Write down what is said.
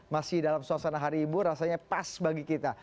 masih dalam suasana hari ibu rasanya pas bagi kita